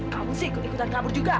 kamu sih ikut ikutan kabur juga